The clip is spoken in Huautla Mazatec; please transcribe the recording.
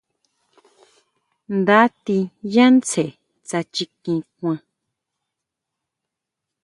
Nda tí yá tsjen tsá chikín kuan.